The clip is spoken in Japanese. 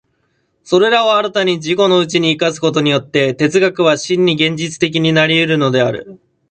それらを新たに自己のうちに生かすことによって、哲学は真に現実的になり得るのである。